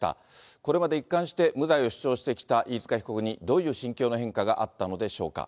これまで一貫して無罪を主張してきた飯塚被告にどういう心境の変化があったのでしょうか。